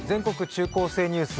中高生ニュース」